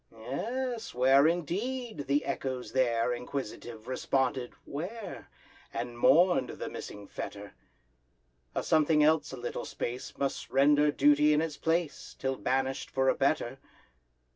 Yes! where indeed? the echoes there, Inquisitive, responded "where?" And mourn'd the missing fetter: A something else a little space Must render duty in its place, Till banish'd for a better.